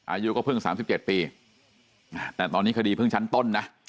อายุก็เพิ่ง๓๗ปีแต่ตอนนี้คดีเพิ่งชั้นต้นนะ